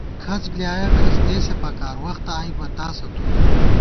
کھڅ بۡلیایَہ کھڅ دېسے پکار ، وخت آئی بہ تاسہ تُو